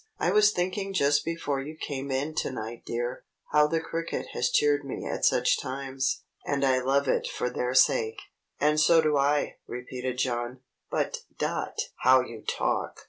I was thinking just before you came in to night, dear, how the cricket has cheered me at such times; and I love it for their sake." "And so do I," repeated John. "But, Dot! How you talk!